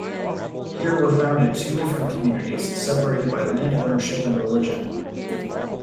Here were founded two different communities, separated by land ownership and religion.